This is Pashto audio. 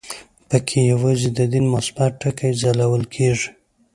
په کې یوازې د دین مثبت ټکي ځلول کېږي.